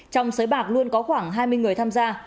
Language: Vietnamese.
trong sới bạc luôn có khoảng hai mươi người tham gia